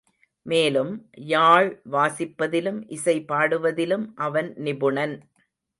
மேலும், யாழ் வாசிப்பதிலும், இசை பாடுவதிலும் அவன் நிபுணன்.